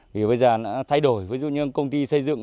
vì bây giờ nó thay đổi ví dụ như công ty xây dựng